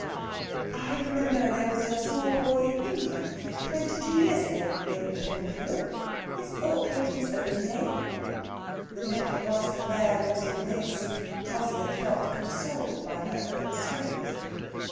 "I remember there was a small boy in India, twenty two years ago, named Penderfield. Is Oughtred his only name?" The nettle grasping there was in this! Rosalind felt consoled by her own strength.